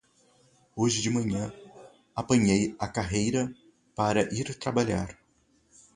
Hoje de manhã apanhei a carreira para ir trabalhar.